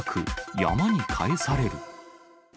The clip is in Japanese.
山に返される。